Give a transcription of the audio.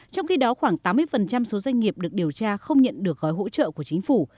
trong khi đó khoảng tám mươi số doanh nghiệp được điều tra không nhận được gói hỗ trợ của chính phủ